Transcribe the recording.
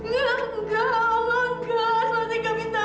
masih kami tak lupa apa yang dari mas keven